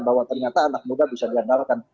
bahwa ternyata anak muda bisa diandalkan